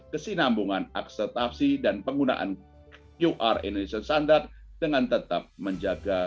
kesinambungan akseptasi dan penggunaan qr indonesian standard dengan tetap menjaga